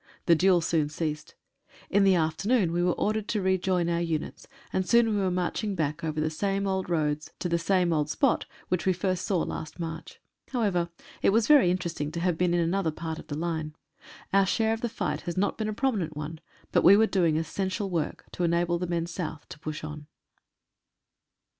The duel soon ceased. In the afternoon we were ordered to rejoin our units, and soon we were marching back over the same old roads to the same old spot which we first saw last March. However, it was very interesting to have been in another part of the line. Our share of the great fight has not been a prominent one, but we were doing essential work to enable the men south to push on.